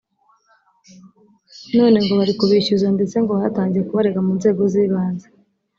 none ngo bari kubishyuza ndetse ngo batangiye kubarega mu nzego z’ibanze